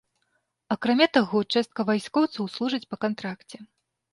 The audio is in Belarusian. Акрамя таго, частка вайскоўцаў служыць па кантракце.